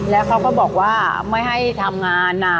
แล้วเขาก็บอกว่าไม่ให้ทำงาน